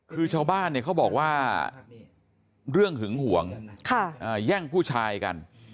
คือชาวบ้านเนี่ยเขาบอกว่าเรื่องหึงห่วงแย่งผู้ชายกัน